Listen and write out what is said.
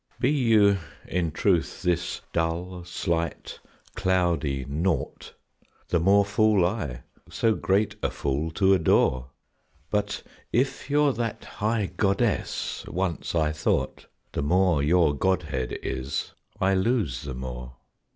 Be you, in truth, this dull, slight, cloudy naught, The more fool I, so great a fool to adore; But if you're that high goddess once I thought, The more your godhead is, I lose the more.